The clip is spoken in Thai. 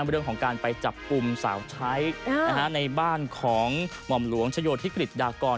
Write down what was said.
เรื่องของการไปจับกลุ่มสาวใช้ในบ้านของหม่อมหลวงชโยธิกฤษดากร